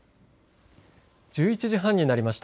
１１時半になりました。